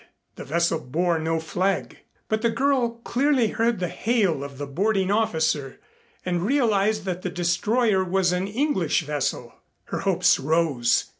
The vessel bore no flag, but the girl clearly heard the hail of the boarding officer and realized that the destroyer was an English vessel. Her hopes rose.